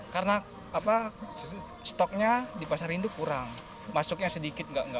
karena stoknya di pasar induk kurang masuknya sedikit nggak banyak